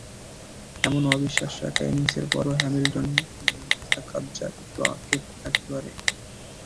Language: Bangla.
এমন অবিশ্বাস্য একটা ইনিংসের পরও হ্যামিল্টন মাসাকাদজার একটু আক্ষেপ থাকতে পারে।